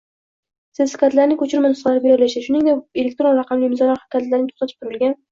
sertifikatlarining ko‘chirma nusxalari berilishini, shuningdek elektron raqamli imzolar kalitlarining to‘xtatib turilgan